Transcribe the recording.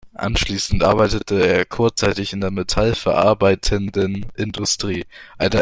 Anschließend arbeitete er kurzzeitig in der metallverarbeitenden Industrie.